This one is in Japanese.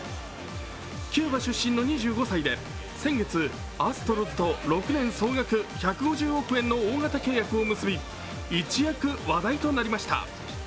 キューバ出身の２５歳で先月、アストロズと６年総額１５０億円の大型契約を結び一躍話題となりました。